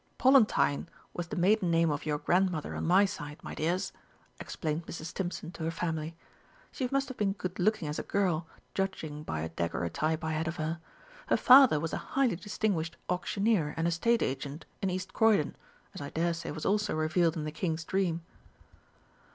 "Pollentine was the maiden name of your Grandmother on my side, my dears," explained Mrs. Stimpson to her family. "She must have been good looking as a girl, judging by a daguerrotype I had of her. Her father was a highly distinguished Auctioneer and Estate Agent in East Croydon, as I daresay was also revealed in the King's dream."